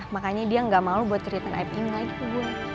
makanya dia gak malu buat cerita aib ini lagi ke gue